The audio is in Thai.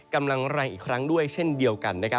กำลังแรงอีกครั้งด้วยเช่นเดียวกัน